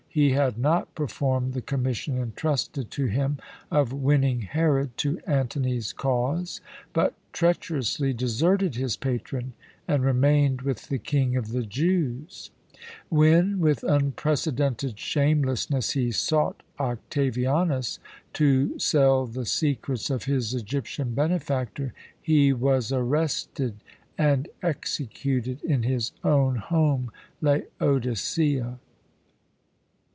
He had not performed the commission entrusted to him of winning Herod to Antony's cause, but treacherously deserted his patron and remained with the King of the Jews. When, with unprecedented shamelessness, he sought Octavianus to sell the secrets of his Egyptian benefactor, he was arrested and executed in his own home, Laodicea.